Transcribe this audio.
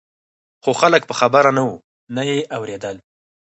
خو خلک په خبره نه وو نه یې اورېدل.